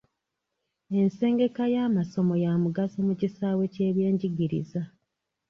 Ensengeka y'amasomo ya mugaso mu kisaawe ky'ebyenjigiriza.